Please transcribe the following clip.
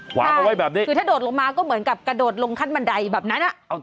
ขวางเอาไว้แบบนี้คือถ้าโดดลงมาก็เหมือนกับกระโดดลงขั้นบันไดแบบนั้นอ่ะ